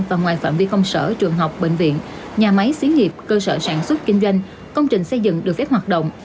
và ngoài phạm vi công sở trường học bệnh viện nhà máy xí nghiệp cơ sở sản xuất kinh doanh công trình xây dựng được phép hoạt động